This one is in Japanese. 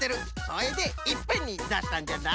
それでいっぺんにだしたんじゃな。